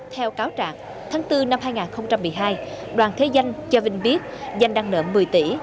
theo cáo trạng tháng bốn năm hai nghìn một mươi hai đoàn thế danh cho vinh biết danh đang nợ một mươi tỷ